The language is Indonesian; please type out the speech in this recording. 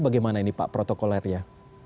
bagaimana ini pak protokolnya